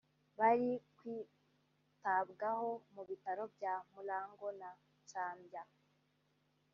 bari kwitabwaho mu Bitaro bya Mulago na Nsambya